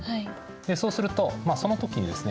そうするとその時にですね